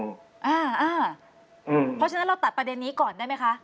เพราะฉะนั้นเราตัดประเด็นนี้ก่อนได้ไหมคะ